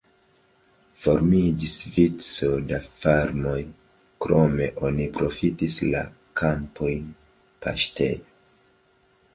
Formiĝis vico da farmoj, krome oni profitis la kampojn paŝtejo.